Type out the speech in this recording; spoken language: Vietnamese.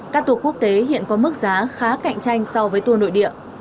các tour quốc tế hiện có mức giá khá cạnh tranh so với tour nội địa